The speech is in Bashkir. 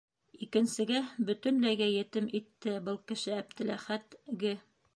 Икенсегә, бөтөнләйгә етем итте был кеше Әптеләхәт ге...